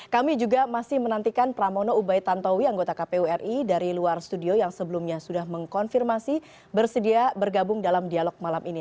kami juga masih menantikan pramono ubai tantowi anggota kpu ri dari luar studio yang sebelumnya sudah mengkonfirmasi bersedia bergabung dalam dialog malam ini